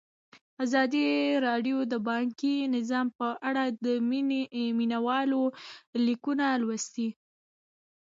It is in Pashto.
ازادي راډیو د بانکي نظام په اړه د مینه والو لیکونه لوستي.